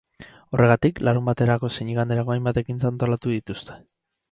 Horregatik, larunbaterako zein iganderako hainbat ekintza antolatu dituzte.